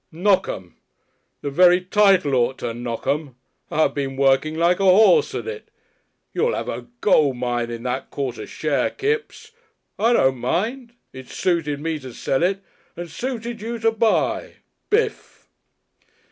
"Knock 'em! The very title ought to knock 'em. I've been working like a horse at it.... You'll have a gold mine in that quarter share, Kipps.... I don't mind. It's suited me to sell it, and suited you to buy. Bif!"